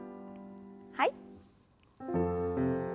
はい。